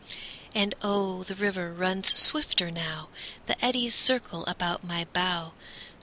And oh, the river runs swifter now; The eddies circle about my bow.